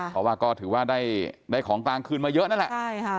เพราะว่าก็ถือว่าได้ของกลางคืนมาเยอะนั่นแหละใช่ค่ะ